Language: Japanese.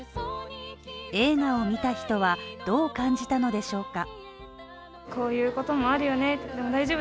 映画を見た人はどう感じたのでしょうか